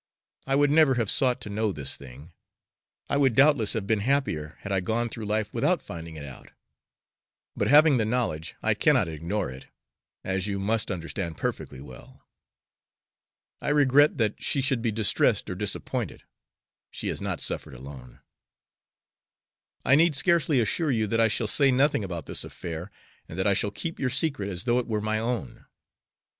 I would never have sought to know this thing; I would doubtless have been happier had I gone through life without finding it out; but having the knowledge, I cannot ignore it, as you must understand perfectly well. I regret that she should be distressed or disappointed, she has not suffered alone. I need scarcely assure you that I shall say nothing about this affair, and that I shall keep your secret as though it were my own.